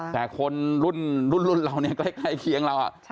แต่คนรุ่นรุ่นรุ่นเราเนี้ยใกล้ใกล้เคียงเราอ่ะใช่